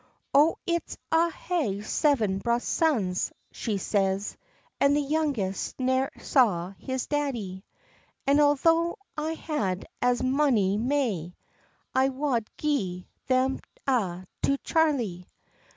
"O it's I hae seven braw sons," she says, "And the youngest ne'er saw his daddie, And altho' I had as mony mae, I wad gie them a' to Charlie.